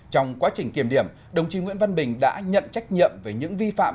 trong quá trình kiểm điểm đồng chí nguyễn văn bình đã nhận trách nhiệm về những vi phạm